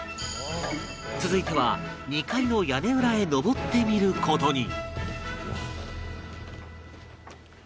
続いては２階の屋根裏へ上ってみる事に